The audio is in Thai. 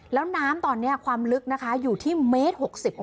แล้วน้ำตอนนี้ความลึกอยู่ที่๑๖๐เมตร